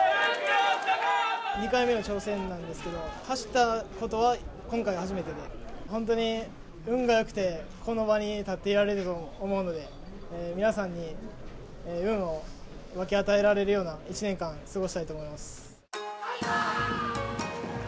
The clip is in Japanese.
２回目の挑戦なんですけど、走ったことは今回が初めてで、本当に運がよくて、この場に立っていられると思うので、皆さんに運を分け与えられるような１年間を過ごしたいと思います。